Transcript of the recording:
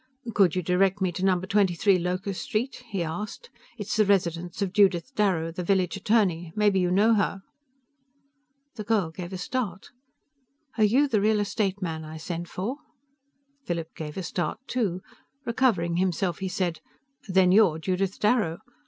"Could you direct me to number 23 Locust Street?" he asked. "It's the residence of Judith Darrow, the village attorney. Maybe you know her." The girl gave a start. "Are you the real estate man I sent for?" Philip gave a start, too. Recovering himself, he said, "Then you're Judith Darrow.